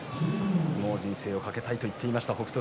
相撲人生を懸けたいと言っていた北勝